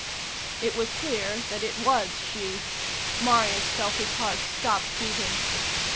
It was clear that it was she. Marius felt his heart stop beating.